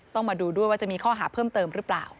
ต้องมาดูด้วยว่าจะมีข้อหาเพิ่มเติมหรือเปล่า